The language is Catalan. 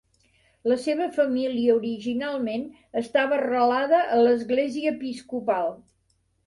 La seva família originalment estava arrelada a l'Església Episcopal.